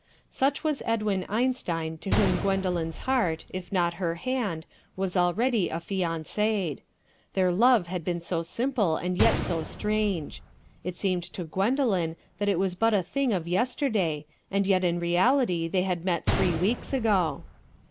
Such was Edwin Einstein to whom Gwendoline's heart, if not her hand, was already affianced. Their love had been so simple and yet so strange. It seemed to Gwendoline that it was but a thing of yesterday, and yet in reality they had met three weeks ago.